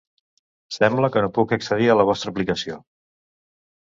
Sembla que no puc accedir a la vostra aplicació.